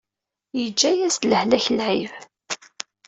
Yeǧǧa-yas-d lehlak lɛib.